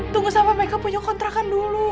tunggu sama mereka punya kontrakan dulu